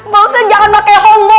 pak ustadz jangan pakai hongbo